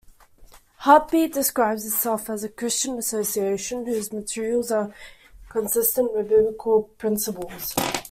Heartbeat describes itself as a "Christian association" whose materials are "consistent with Biblical principles.